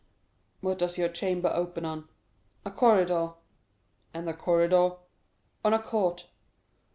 "What does your chamber open on?" "A corridor." "And the corridor?" "On a court."